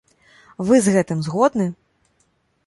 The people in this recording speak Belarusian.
Вы з гэтым згодны?